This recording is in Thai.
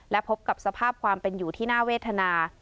และพบกับสภาพความเป็นอยู่ที่น่าเวทนา